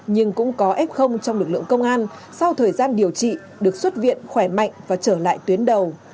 nhưng cũng có f trong lực lượng công an sau thời gian điều trị được xuất viện khỏe mạnh và trở lại tuyến đầu